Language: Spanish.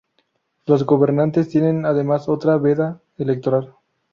Los gobernantes tienen además otra veda electoral.